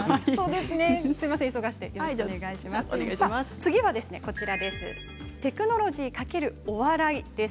次はテクノロジー×お笑いです。